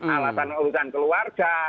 alasan urutan keluarga